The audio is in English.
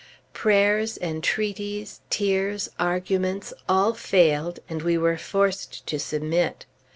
Prayers, entreaties, tears, arguments, all failed; and we were forced to submit.